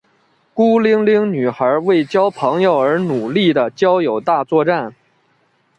孤零零女孩为交朋友而努力的交友大作战。